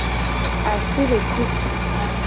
Afi le pu si.